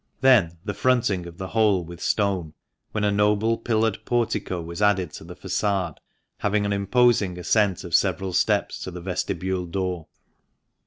Then the fronting of the whole with stone, when a noble pillared portico was added to the fa9ade, having an imposing ascent of several steps to the vestibule door.